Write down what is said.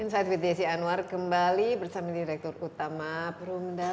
insight fit desi anwar berbangun kembali bersama direktur utama perundara